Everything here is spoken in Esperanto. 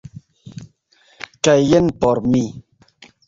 kaj jen por mi.